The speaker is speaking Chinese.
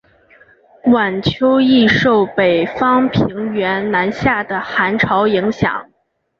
晚秋易受北方平原南下的寒潮影响。